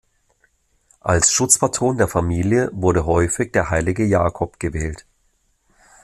Als Schutzpatron der Familie wurde häufig der heilige Jakob gewählt.